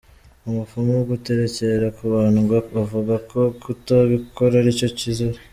Ubupfumu, guterekera kubandwa…avuga ko kutabikora ari cyo kizira.